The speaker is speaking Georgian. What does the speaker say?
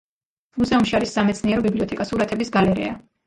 მუზეუმში არის სამეცნიერო ბიბლიოთეკა, სურათების გალერეა.